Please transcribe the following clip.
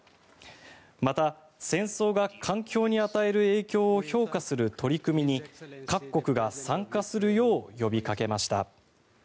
また、戦争が環境に与える影響を評価する取り組みに各国が参加するよう呼びかけました。